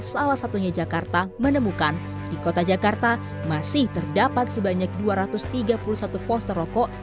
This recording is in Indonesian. salah satunya jakarta menemukan di kota jakarta masih terdapat sebanyak dua ratus tiga puluh satu poster rokok